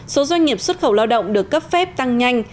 số doanh nghiệp xuất khẩu lao động được cấp phép tăng nhanh